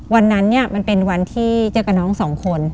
วันนั้นเนี่ยมันเป็นวันที่เจอกับน้องสองคน